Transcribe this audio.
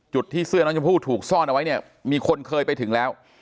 ที่เสื้อน้องชมพู่ถูกซ่อนเอาไว้เนี่ยมีคนเคยไปถึงแล้ว